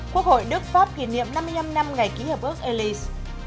quốc hội đức pháp kỷ niệm năm mươi năm năm ngày ký hợp ước elys